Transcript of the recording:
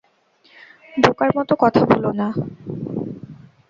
বোকার মতো কথা বোলো না।